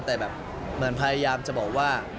แต่แบบเหมือนพยายามจะบอกว่า